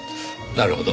なるほど。